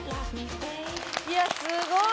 いやあすごい。